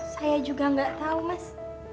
saya juga nggak tahu mas